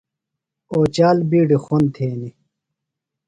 اوچال بِیڈیۡ خُوَند تھینیۡ۔